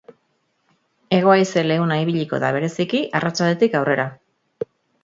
Hego-haize leuna ibiliko da, bereziki, arratsaldetik aurrera.